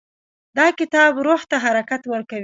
دا کتاب روح ته حرکت ورکوي.